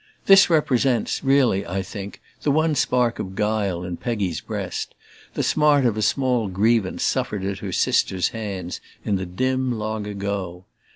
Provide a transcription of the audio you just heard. This represents, really, I think, the one spark of guile in Peggy's breast: the smart of a small grievance suffered at her sister's hands in the dim long ago.